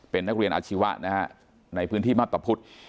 เป็นนักเรียนอาชีวะนะฮะในพื้นที่มาพตะพุทธ